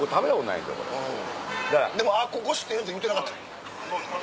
でもあここ知ってるって言うてなかった？